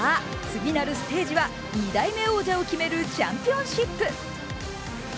次なるステージは２代目王者を決めるチャンピオンシップ。